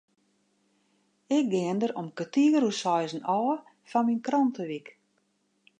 Ik gean der om kertier oer seizen ôf foar myn krantewyk.